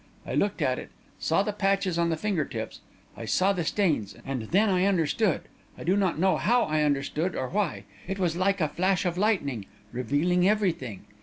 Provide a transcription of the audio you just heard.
I looked at it, I saw the patches on the finger tips I saw the stains and then I understood. I do not know how I understood, or why it was like a flash of lightning, revealing everything.